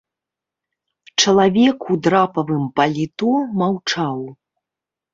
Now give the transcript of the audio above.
Чалавек у драпавым паліто маўчаў.